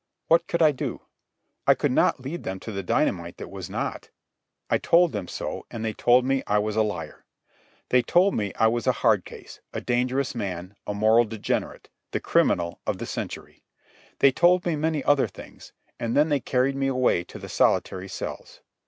What could I do? I could not lead them to the dynamite that was not. I told them so, and they told me I was a liar. They told me I was a hard case, a dangerous man, a moral degenerate, the criminal of the century. They told me many other things, and then they carried me away to the solitary cells.